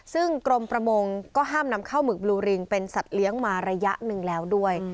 ซึ่งกรมประมงก็ห้ามนำข้าวหมึกบลูริงเป็นสัตว์เลี้ยงมาระยะหนึ่งแล้วด้วย